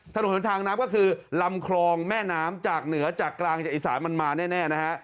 ถนนหนทางน้ำก็คือลำคลองแม่น้ำจากเหนือจากกลางจากอีสานมันมาแน่นะฮะ